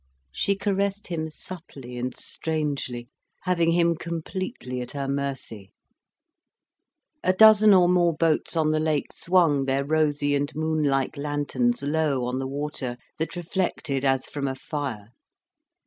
She caressed him subtly and strangely, having him completely at her mercy. A dozen or more boats on the lake swung their rosy and moon like lanterns low on the water, that reflected as from a fire.